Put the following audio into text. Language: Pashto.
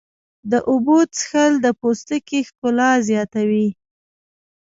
د اوبو څښل د پوستکي ښکلا زیاتوي.